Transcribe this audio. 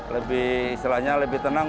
lebih istilahnya lebih tenang